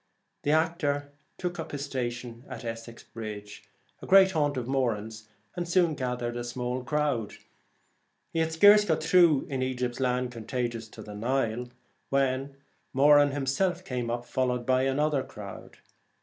The actor took up his station at Essex Bridge, a great haunt of Moran's, and soon gathered a small crowd. He had scarce got through ' In Egypt's land, contagious to the Nile,' when Moran himself came up, followed by another crowd.